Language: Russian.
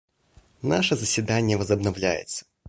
Наше заседание возобновляется.